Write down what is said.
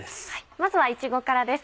まずはいちごからです。